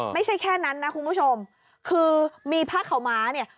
ไม่ใช่แค่นั้นนะคุณผู้ชมคือมีผ้าขาวม้าเนี่ย